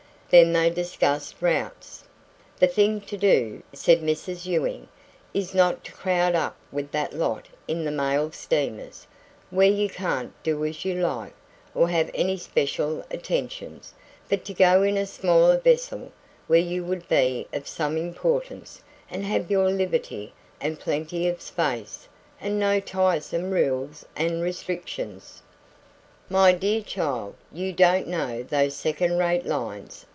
Then they discussed routes. "The thing to do," said Mrs Ewing, "is not to crowd up with that lot in the mail steamers, where you can't do as you like, or have any special attentions, but to go in a smaller vessel, where you would be of some importance, and have your liberty, and plenty of space, and no tiresome rules and restrictions " "My dear child, you don't know those second rate lines.